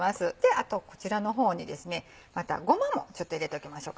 あとこちらの方にまたごまもちょっと入れときましょう。